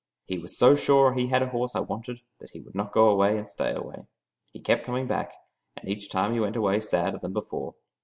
He was so sure he had the horse I wanted that he would not go away and stay away. He kept coming back, and each time he went away sadder than before.